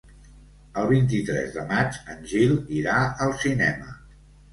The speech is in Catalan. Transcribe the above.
El vint-i-tres de maig en Gil irà al cinema.